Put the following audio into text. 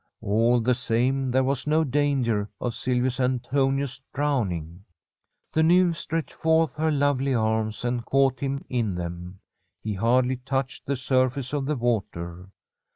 All the same, there was no danger of Silvius Antonius drowning. The nymph stretched forth her lovely arms and caught him in them. He hardly touched the surface of the water.